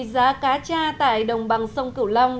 giá cá cha tại đồng bằng sông cửu long